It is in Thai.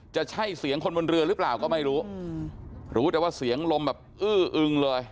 จะใช่เสียงคนบนเรือหรือเปล่าก็ไม่รู้รู้รู้แต่ว่าเสียงลมแบบอื้ออึงเลย